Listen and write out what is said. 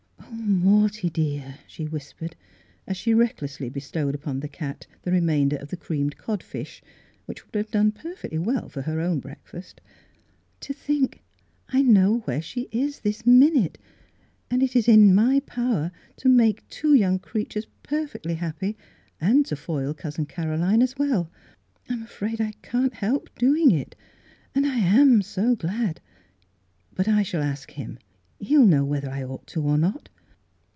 " Oh, Morty dear," she whispered, as Miss Fhilura's Wedding Gown she recklessly bestowed upon the cat the remainder of the creamed cod fish, which would have done perfectly well for her own breakfast, " to think I know where she is this minute, and it is in my power to make two young creatures perfectly happy and to foil Cousin Caroline as well. I'm afraid I can't help doing it. And I am so glad! But I shall ask him, he'll know whether I ought to or not."